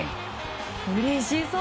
うれしそう！